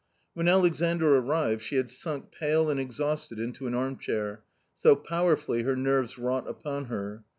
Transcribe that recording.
When Alexandr arrived, she had sunk pale and exhausted into an armchair, so powerfully her nerves wrought upon her.